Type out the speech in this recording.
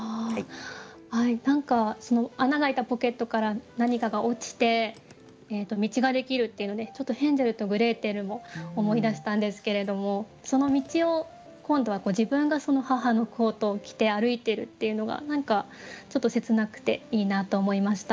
何か穴があいたポケットから何かが落ちて道ができるっていうのでちょっと「ヘンゼルとグレーテル」も思い出したんですけれどもその道を今度は自分がその母のコートを着て歩いてるっていうのがちょっと切なくていいなと思いました。